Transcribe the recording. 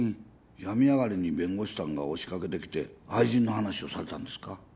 病み上がりに弁護士さんが押しかけてきて愛人の話をされたんですか？